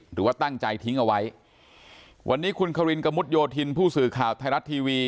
หรือว่าตั้งใจทิ้งเอาไว้วันนี้คุณควินกระมุดโยธินผู้สื่อข่าวไทยรัฐทีวี